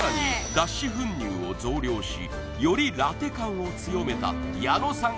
脱脂粉乳を増量しよりラテ感を強めた矢野さん